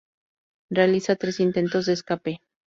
Realiza tres intentos de escape.